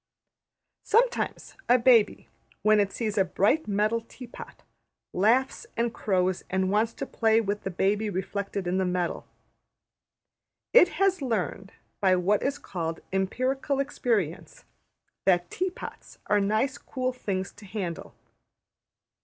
Sometimes a baby, when it sees a bright metal tea pot, laughs and crows and wants to play with the baby reflected in the metal. It has learned, by what is called ``empirical experience,'' that tea pots are nice cool things to handle.